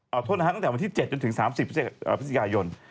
เอาโทษนะครับตั้งแต่วันที่๗จนถึง๓๐พฤศจิกายน